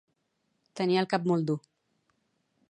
Tenia el cap molt dur.